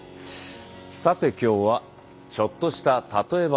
さて今日はちょっとした例え話から。